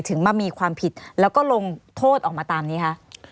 ถึงมามีความผิดแล้วก็ลงโทษออกมาตามนี้คะ